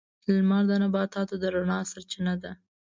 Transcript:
• لمر د نباتاتو د رڼا سرچینه ده.